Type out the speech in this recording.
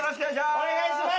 お願いします。